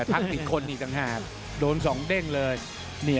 เต้าเด่น